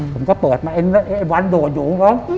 ผมก็เปิดมาไอ้วันโดดอยู่